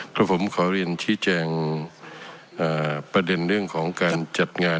ก็ผมขอเรียนชี้แจงประเด็นเรื่องของการจัดงาน